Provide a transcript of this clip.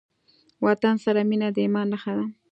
وطن سره مينه د ايمان نښه ده.